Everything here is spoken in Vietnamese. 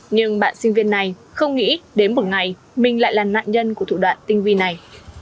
nhưng bạn sinh viên này không nghĩ đến một ngày mình lại là nạn nhân của thủ đoạn tinh vi này